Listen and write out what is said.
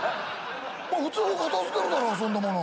普通ここ片付けるだろ遊んだものは。